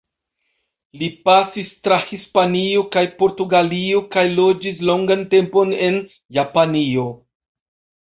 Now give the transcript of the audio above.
Li pasis tra Hispanio kaj Portugalio, kaj loĝis longan tempon en Japanio.